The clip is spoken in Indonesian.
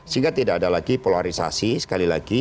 sehingga tidak ada lagi polarisasi sekali lagi